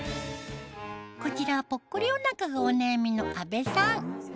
こちらはぽっこりお腹がお悩みの阿部さん